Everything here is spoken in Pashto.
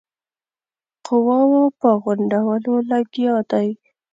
قواوو په غونډولو لګیا دی.